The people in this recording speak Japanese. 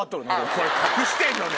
これ隠してんのね？